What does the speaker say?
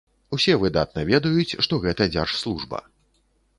Усе выдатна ведаюць, што гэта дзяржслужба.